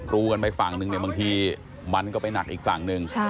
รู้กันไปฝั่งนึงเนี่ยบางทีมันก็ไปหนักอีกฝั่งหนึ่ง